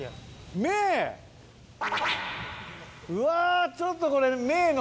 うわちょっとこれ。